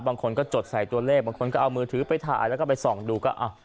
บางคนก็จดใส่ตัวเลขบางคนก็เอามือถือไปถ่ายแล้วก็ไปส่องดูก็อ้าว